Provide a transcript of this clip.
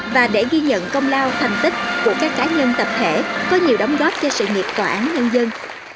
và để ghi nhận công lao thành tích của các cá nhân tập thể có nhiều đóng góp cho sự nghiệp tòa án nhân dân